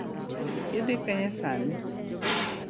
Idhi kanye sani?